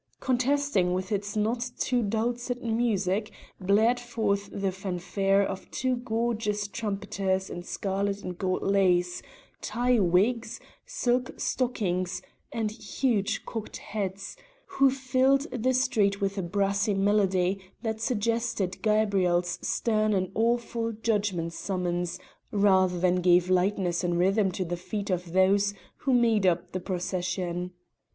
Contesting with its not too dulcet music blared forth the fanfare of two gorgeous trumpeters in scarlet and gold lace, tie wigs, silk stockings, and huge cocked hats, who filled the street with a brassy melody that suggested Gabriel's stern and awful judgment summons rather than gave lightness and rhythm to the feet of those who made up the procession.